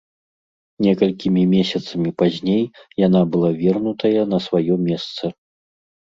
Некалькімі месяцамі пазней яна была вернутая на сваё месца.